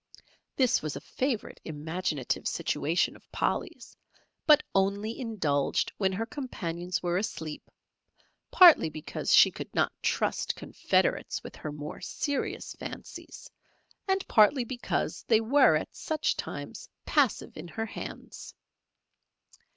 This was a favourite imaginative situation of Polly's, but only indulged when her companions were asleep, partly because she could not trust confederates with her more serious fancies, and partly because they were at such times passive in her hands.